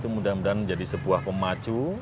mudah mudahan menjadi sebuah pemacu